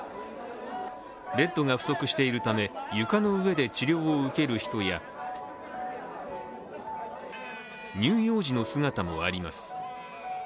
ベッドが不足しているため床の上で治療を受ける人や乳幼児の姿もあります。